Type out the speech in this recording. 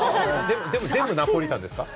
でも全部ナポリタンですか？